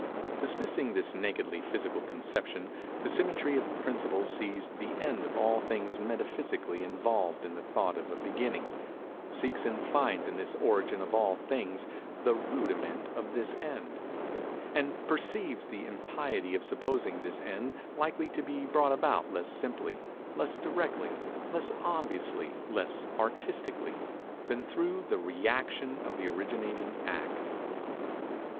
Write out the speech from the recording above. Dismissing this nakedly physical conception, the symmetry of principle sees the end of all things metaphysically involved in the thought of a beginning; seeks and finds in this origin of all things the rudiment of this end; and perceives the impiety of supposing this end likely to be brought about less simply—less directly—less obviously—less artistically—than through the rëaction of the originating Act.